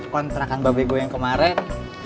kontrakan babek gue yang kemarin